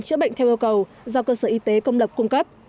chữa bệnh theo yêu cầu do cơ sở y tế công lập cung cấp